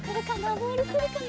ボールくるかな？